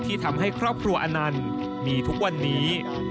ที่ทำให้ครอบครัวอนันต์มีทุกวันนี้